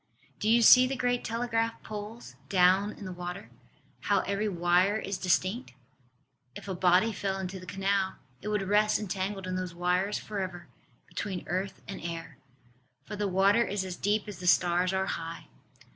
Do you see the great telegraph poles down in the water, how every wire is distinct? If a body fell into the canal it would rest entangled in those wires for ever, between earth and air. For the water is as deep as the stars are high.